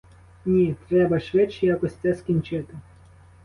Ні, треба швидше якось це скінчити!